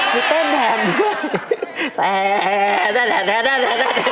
มีเต้นแถมด้วย